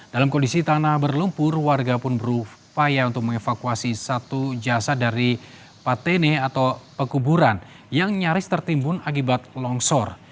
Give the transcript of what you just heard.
dalam kondisi tanah berlumpur warga pun berupaya untuk mengevakuasi satu jasad dari patene atau pekuburan yang nyaris tertimbun akibat longsor